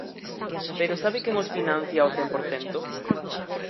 ¿Pero sabe quen os financia ao cen por cento?